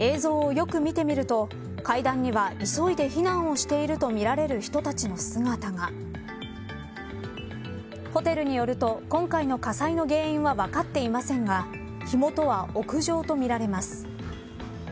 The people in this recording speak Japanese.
映像をよく見てみると階段には急いで避難をしているとみられる人たちの姿がホテルによると今回の火災の原因は分かっていませんが火元は屋上とみられます。